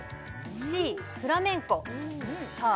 Ｃフラメンコさあ